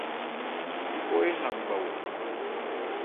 Yípɔ éha ngbawa.